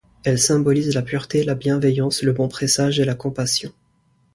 Elle symbolise la pureté, la bienveillance, le bon présage et la compassion.